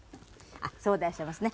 あっそうでらっしゃいますね。